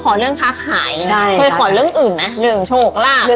ของเล่นค่ะ